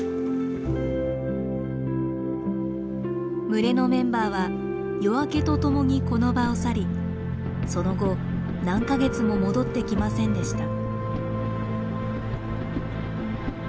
群れのメンバーは夜明けとともにこの場を去りその後何か月も戻ってきませんでした。